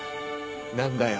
何だよ